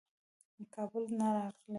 کابل نه راغلی.